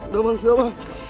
gak mau gak mau